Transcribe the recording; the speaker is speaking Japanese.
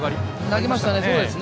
投げましたね。